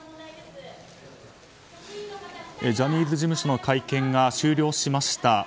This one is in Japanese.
ジャニーズ事務所の会見が終了しました。